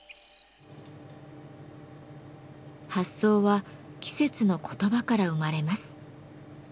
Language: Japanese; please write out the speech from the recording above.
発想は季節の言葉から生まれます。